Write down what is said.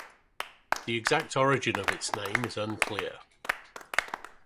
The exact origin of its name is unclear.